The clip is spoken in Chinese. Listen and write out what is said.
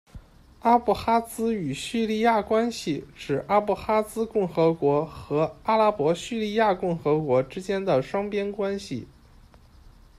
阿布哈兹与叙利亚关系指阿布哈兹共和国和阿拉伯叙利亚共和国之间的双边关系。